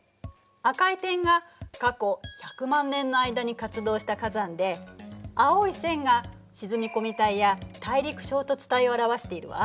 赤い点が過去１００万年の間に活動した火山で青い線が沈み込み帯や大陸衝突帯を表しているわ。